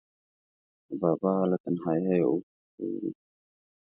د بابا له تنهاییه اوښکې ووري